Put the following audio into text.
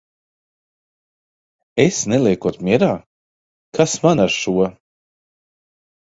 Es neliekot mierā? Kas man ar šo!